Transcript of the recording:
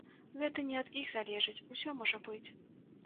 Гэта не ад іх залежыць, усё можа быць.